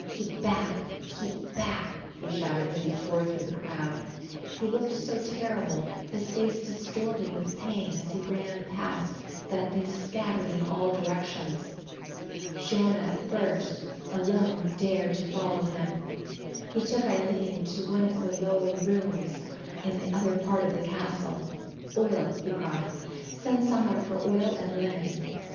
"Keep back, keep back," he shouted as he tore through the crowd. He looked so terrible, his face distorted with pain, as he ran past that they scattered in all directions. Shiona, at first, alone dared to follow him. He took Aline to one of the lower rooms in the other part of the castle. "Oil," he cried, "send some one for oil and linen."